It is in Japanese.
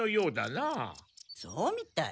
そうみたい。